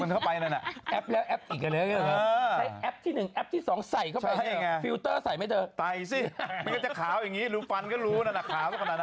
นี่ไปถ่ายเซลฟี่นะฮะ